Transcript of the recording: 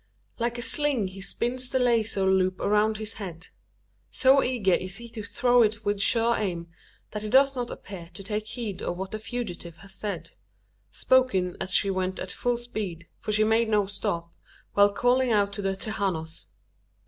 Like a sling he spins the lazo loop around his head. So eager is he to throw it with sure aim, that he does not appear to take heed of what the fugitive has said spoken as she went at full speed: for she made no stop, while calling out to the "Tejanos."